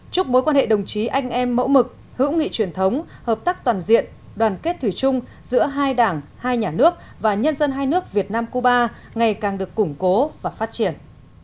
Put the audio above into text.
chúc mối quan hệ đồng chí anh em mẫu mực hữu nghị truyền thống hợp tác toàn diện đoàn kết thủy chung giữa hai đảng hai nhà nước và nhân dân hai nước việt nam cuba ngày càng được củng cố và phát triển